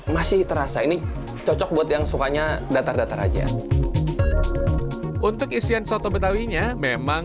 masih terasa ini cocok buat yang sukanya datar datar aja untuk isian soto betawinya memang